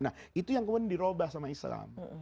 nah itu yang kemudian dirobah sama islam